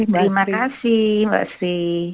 terima kasih mbak si